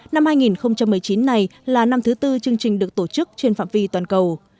năm hai nghìn một mươi chín này là năm thứ tư chương trình được tổ chức trên phạm vi toàn cầu